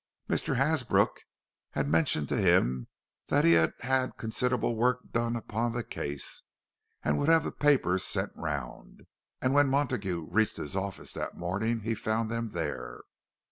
Mr. Hasbrook had mentioned to him that he had had considerable work done upon the case, and would have the papers sent round. And when Montague reached his office that morning, he found them there.